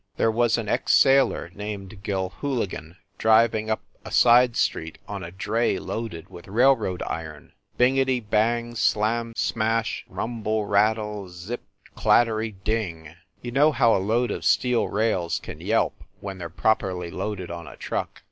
There was an ex sailor named Gilhooligan driv ing up a side street on a dray loaded with railroad iron bingety bang slam smash rumble rattle z/> clattery c?w#/ You know how a load of steel rails can yelp, when they re properly loaded on a truck.